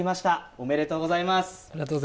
ありがとうございます。